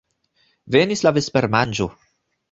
Venis la vespermanĝo.